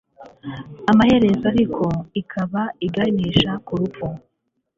amaherezo ariko, ikaba iganisha ku rupfu